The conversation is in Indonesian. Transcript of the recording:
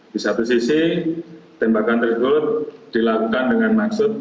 di satu sisi tembakan tersebut dilakukan dengan maksud